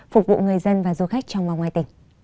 phục vụ người dân và du khách trong và ngoài tỉnh